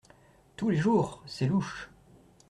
Tous les jours… c’est louche !